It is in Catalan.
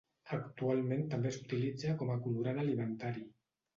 Actualment també s'utilitza com a colorant alimentari.